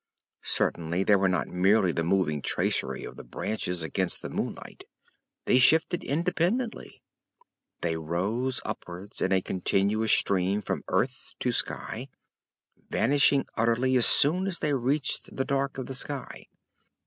Certainly they were not merely the moving tracery of the branches against the moonlight. They shifted independently. They rose upwards in a continuous stream from earth to sky, vanishing utterly as soon as they reached the dark of the sky.